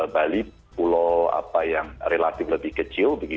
bali pulau yang relatif lebih kecil